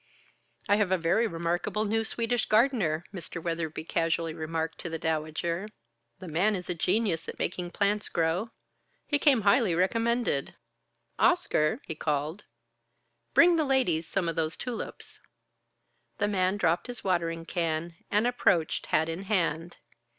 "I have a very remarkable new Swedish gardener," Mr. Weatherby casually remarked to the Dowager. "The man is a genius at making plants grow. He came highly recommended. Oscar!" he called. "Bring the ladies some of those tulips." The man dropped his watering can, and approached, hat in hand.